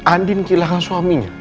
andin kehilangan suaminya